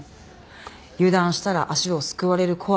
油断したら足をすくわれる怖さ。